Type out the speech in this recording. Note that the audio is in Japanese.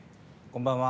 こんばんは。